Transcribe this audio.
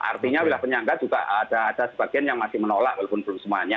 artinya wilayah penyangga juga ada sebagian yang masih menolak walaupun belum semuanya